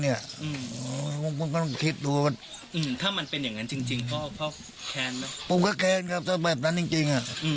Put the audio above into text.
เป็นอย่างงั้นจริงก็เข้าแขนแล้วมึงแคร์นกำรูปแอบนั้นจริง๐๐๑๒๑๑๐๐๑๑